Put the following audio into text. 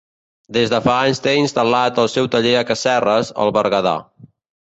Des de fa anys té instal·lat el seu taller a Casserres, al Berguedà.